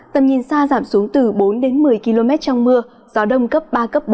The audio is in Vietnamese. tầm nhìn xa giảm xuống từ bốn đến một mươi km trong mưa gió đông cấp ba cấp bốn